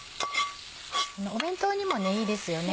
弁当にもいいですよね